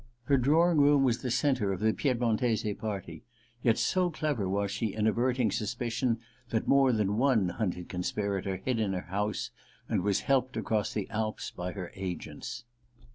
Her drawing room was the centre of the Piedmon tese party, yet so clever was she in averting suspicion that more than one hunted conspirator hid in her house, and was helped across the Alps by her agents.